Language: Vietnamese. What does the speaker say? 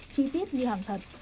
chi tiết như hàng thật